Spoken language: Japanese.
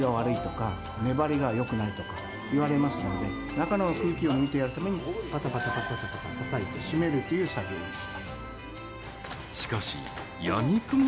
中の空気を抜いてやるためにパタパタパタパタたたいて締めるという作業をします。